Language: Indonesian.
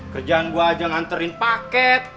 kerjaan gue aja nganterin paket